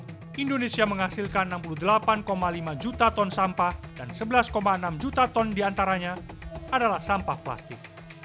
pada dua ribu dua puluh dua indonesia menghasilkan enam puluh delapan lima juta ton sampah dan sebelas enam juta ton diantaranya adalah sampah plastik